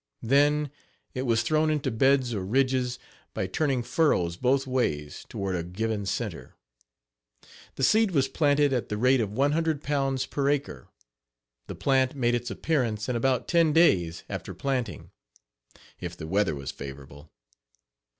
Then it was thrown into beds or ridges by turning furrows both ways toward a given center. The seed was planted at the rate of one hundred pounds per acre. The plant made its appearance in about ten days after planting, if the weather was favorable.